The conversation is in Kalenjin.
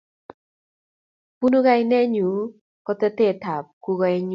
Bunu kainenyu kotetab kukoenyu